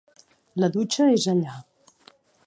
La dutxa és allà.